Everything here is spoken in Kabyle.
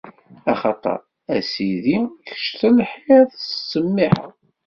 Axaṭer, a Sidi, kečč telhiḍ, tettsemmiḥeḍ.